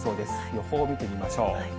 予報を見てみましょう。